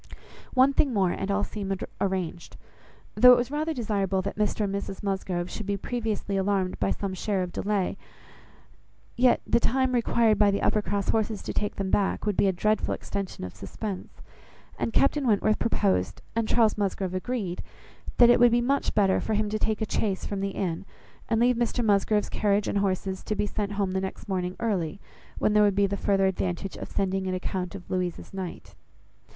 One thing more, and all seemed arranged. Though it was rather desirable that Mr and Mrs Musgrove should be previously alarmed by some share of delay; yet the time required by the Uppercross horses to take them back, would be a dreadful extension of suspense; and Captain Wentworth proposed, and Charles Musgrove agreed, that it would be much better for him to take a chaise from the inn, and leave Mr Musgrove's carriage and horses to be sent home the next morning early, when there would be the farther advantage of sending an account of Louisa's night.